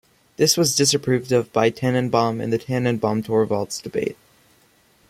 This was disapproved of by Tanenbaum in the Tanenbaum-Torvalds debate.